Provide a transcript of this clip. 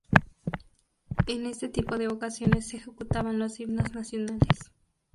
En este tipo de ocasiones ejecutaban los himnos nacionales.